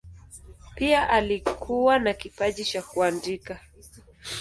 Pia alikuwa na kipaji cha kuandika.